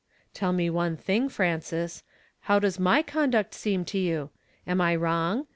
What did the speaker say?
"Tell me one tiling, Frances. Ifow does my conduct seem to you? Am I wrong?